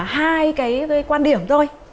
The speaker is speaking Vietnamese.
hai cái quan điểm thôi